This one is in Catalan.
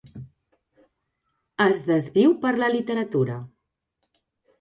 Es desviu per la literatura.